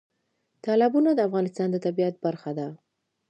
تالابونه د افغانستان د طبیعت برخه ده.